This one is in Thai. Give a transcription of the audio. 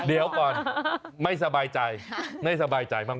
เดี๋ยวก่อนไม่สบายใจไม่สบายใจมาก